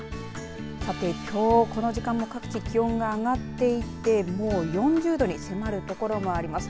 さて、きょうこの時間も各地気温が上がっていてもう４０度に迫る所があります。